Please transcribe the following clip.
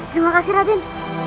terima kasih raden